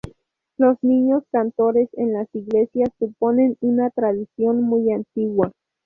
Los niños cantores en las iglesias suponen una tradición muy antigua.